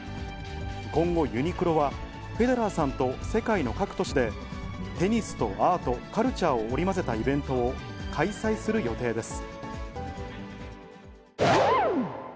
今後、ユニクロはフェデラーさんと世界の各都市で、テニスのアート、カルチャーを織り交ぜたイベントを開催する予定です。